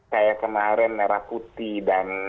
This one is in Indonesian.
kayak kemarin merah putih dan